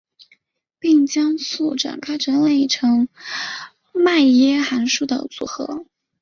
并将簇展开整理成迈耶函数的组合。